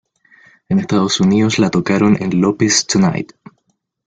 En Estados Unidos, la tocaron en Lopez Tonight.